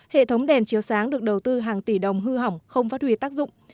hệ thống đèn chiếu sáng được đầu tư hàng tỷ đồng hư hỏng không phát huy tác dụng